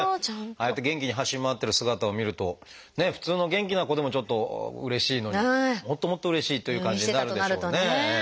ああやって元気に走り回ってる姿を見るとね普通の元気な子でもちょっとうれしいのにもっともっとうれしいという感じになるでしょうね。